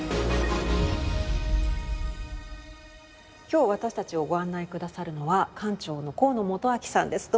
今日私たちをご案内くださるのは館長の河野元昭さんです。